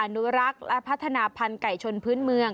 อนุรักษ์และพัฒนาพันธุ์ไก่ชนพื้นเมือง